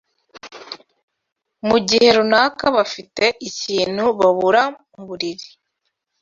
mu gihe runaka bafite ikintu babura mu mubiri